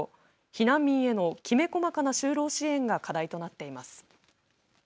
避難民へのきめ細かな就労支援が課題となっています。